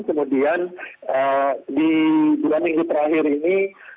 kemudian di bulan minggu terakhir ini